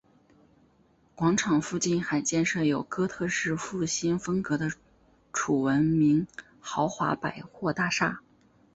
广场附近还建设有哥特式复兴风格的楚闻明豪华百货大厦。